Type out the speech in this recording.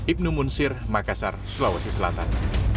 ibnu munsir makassar sulawesi selatan